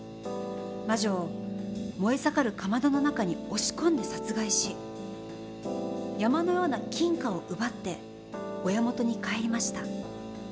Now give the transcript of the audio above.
魔女を燃え盛るかまどの中に押し込んで殺害し山のような金貨を奪って親元に帰りました。